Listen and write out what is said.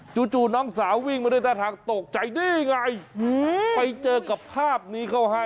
จู่น้องสาววิ่งมาด้วยท่าทางตกใจนี่ไงไปเจอกับภาพนี้เข้าให้